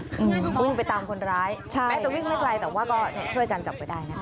อืมวิ่งไปตามคนร้ายใช่แม้วิ่งไม่ไกลแต่ว่าก็เนี่ยช่วยกันจำไปได้นะคะ